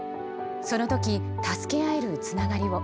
その時、助け合えるつながりを。